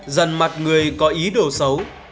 dần mặt người có ý đồ xấu